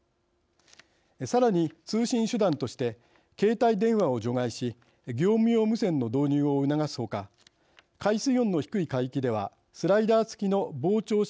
さらに通信手段として携帯電話を除外し業務用無線の導入を促す他海水温の低い海域ではスライダー付きの膨張式